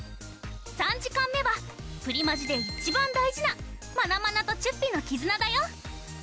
３時間目はプリマジでいちばん大事な「マナマナとチュッピの絆」だよ！